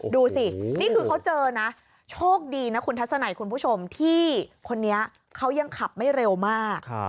ดูสินี่คือเขาเจอนะโชคดีนะคุณทัศนัยคุณผู้ชมที่คนนี้เขายังขับไม่เร็วมาก